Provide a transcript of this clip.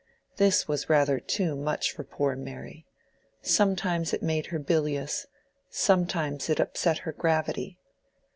This was rather too much for poor Mary; sometimes it made her bilious, sometimes it upset her gravity.